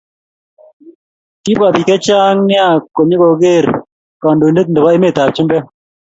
Kibwa bik chechang nea nyo koker kandoindet nepo emet ap chumbek